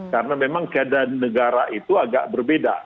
karena memang keadaan negara itu agak berbeda